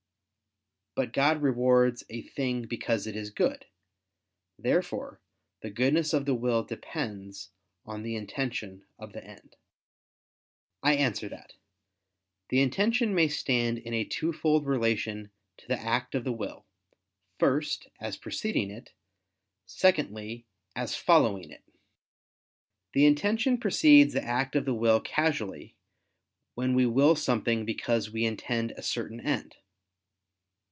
But God rewards a thing because it is good. Therefore the goodness of the will depends on the intention of the end. I answer that, The intention may stand in a twofold relation to the act of the will; first, as preceding it, secondly as following [*Leonine edn.: 'accompanying'] it. The intention precedes the act of the will causally, when we will something because we intend a certain end.